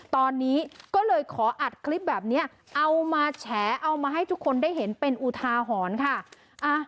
ตอนนี้ก็เลยขออัดคลิปแบบนี้เอามาแฉเอามาให้ทุกคนได้เห็นเป็นอุทาหรณ์ค่ะ